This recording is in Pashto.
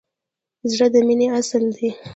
زړه د مینې اصل دی.